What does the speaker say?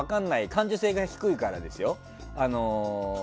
感受性が低いからですよ。